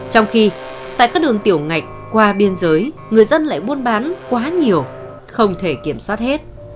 trong khi tại các đường tiểu ngạch qua biên giới người dân lại buôn bán quá nhiều không thể kiểm soát hết